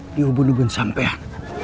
di ubun ubun sampaian